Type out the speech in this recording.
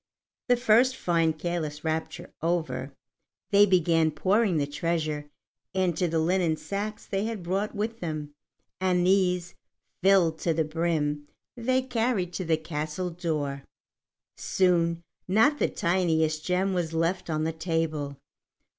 The first fine careless rapture over, they began pouring the treasure into the linen sacks they had brought with them, and these, filled to the brim, they carried to the castle door. Soon not the tiniest gem was left on the table.